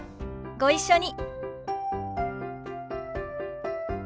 ご一緒に。